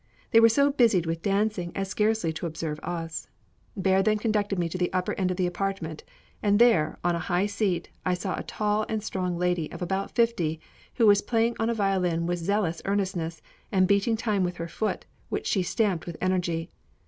They were so busied with dancing as scarcely to observe us. Bear then conducted me to the upper end of the apartment; and there, on a high seat, I saw a tall and strong lady of about fifty, who was playing on a violin with zealous earnestness, and beating time with her foot, which she stamped with energy.